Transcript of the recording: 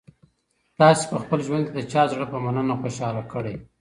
تاسي په خپل ژوند کي د چا زړه په مننه خوشاله کړی؟